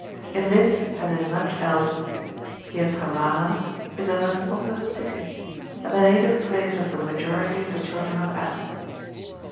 In this as in much else Pietramala is a most populous city, and the native ]>lace of the majority of the children of Adam.